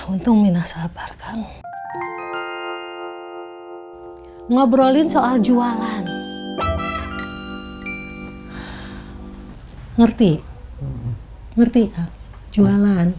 untuk minah sabar kang ngobrolin soal jualan ngerti ngerti jualan